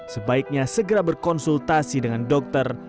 sebaiknya segera berkonsultasi dengan dokter